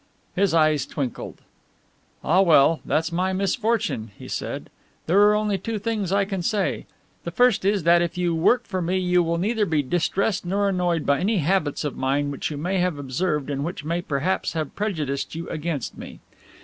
His eyes twinkled. "Ah well, that's my misfortune," he said, "there are only two things I can say. The first is that if you work for me you will neither be distressed nor annoyed by any habits of mine which you may have observed and which may perhaps have prejudiced you against me.